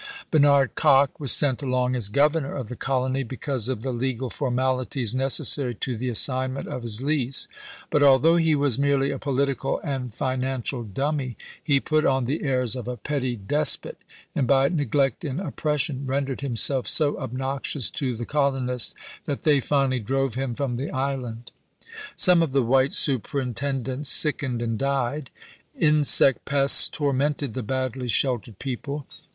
Bernard Kock was sent along as governor of the colony, because of the legal formalities necessary to the assignment of his lease. But, although he was merely a political and financial dummy, he put on the airs of a petty despot, and by neglect and op pression rendered himself so obnoxious to the col 364 ABKAHAM LINCOLN ch. XVII. onists that they finally drove him from the island. Some of the white superintendents sickened and died. Insect pests tormented the badly sheltered people.